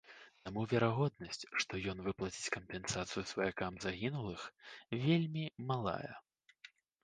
Таму верагоднасць, што ён выплаціць кампенсацыю сваякам загінулых, вельмі малая.